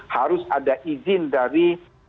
harus ada izin dari